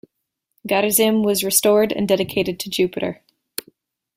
Garizim was restored and dedicated to Jupiter.